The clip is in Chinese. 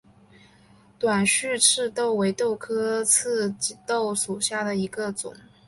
短序棘豆为豆科棘豆属下的一个种。